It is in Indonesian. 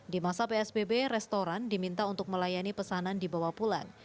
di masa psbb restoran diminta untuk melayani pesanan dibawa pulang